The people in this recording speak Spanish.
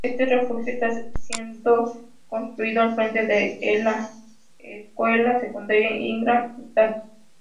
Éste refugio está siendo construido al frente d ela Escuela Secundaria Ingham State.